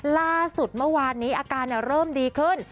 ล่าสุดเมื่อวานนี้อาการเริ่มดีขึ้น